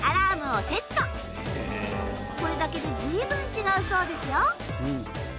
これだけで随分違うそうですよ。